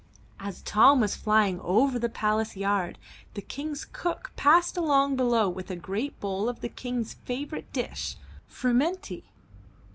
As Tom was flying over the palace yard, the King's cook passed along below with a great bowl of the King's favorite dish, frumenty.